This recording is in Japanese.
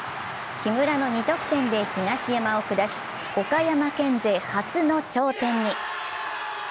木村の２得点で東山を下し岡山県勢初の頂点に。